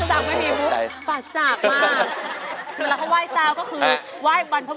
เดี๋ยวแล้วเขาไหว้เจ้าก็คือ